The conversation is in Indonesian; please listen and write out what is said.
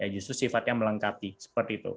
justru sifatnya melengkapi seperti itu